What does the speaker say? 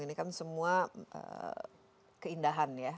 ini kan semua keindahan ya